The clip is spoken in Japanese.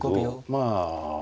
まあ